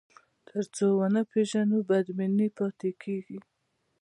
تر څو ونه پېژنو، بدبیني پاتې کېږي.